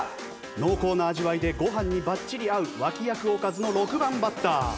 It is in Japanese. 濃厚な味わいでご飯にバッチリ合う脇役おかずの６番バッター。